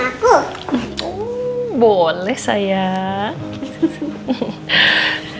terima kasih sayang